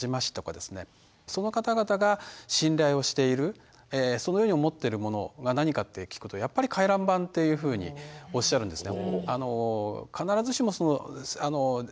その方々が信頼をしているそのように思っているものが何かって聞くとやっぱり回覧板っていうふうにおっしゃるんですね。